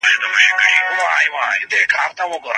هغه د خپل کردار له لارې خلکو ته بېلګه کېده.